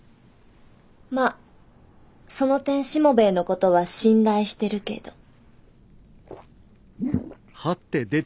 まあその点しもべえのことは信頼してるけど。